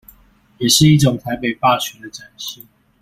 也是一種台北霸權的展現